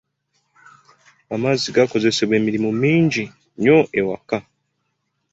Amazzi gakozesebwa emirimu mingi nnyo ewaka.